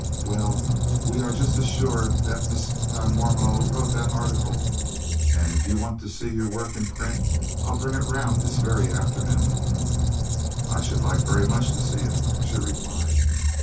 "Well, we are just as sure dat Miss van Warmelo wrote dat article. And if you want to see your work in print I'll bring it round dis very afternoon." "I should like very much to see it," she replied.